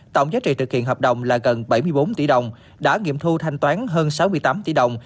tổng giá trị thực hiện hợp đồng là gần bảy mươi bốn tỷ đồng đã nghiệm thu thanh toán hơn sáu mươi tám tỷ đồng